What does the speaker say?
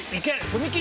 踏切！